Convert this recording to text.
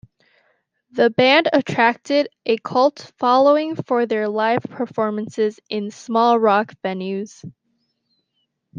The band attracted a cult following for their live performances in small rock venues.